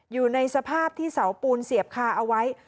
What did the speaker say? อยู่ในสภาพที่เสาปูนเสียบคาเอาไว้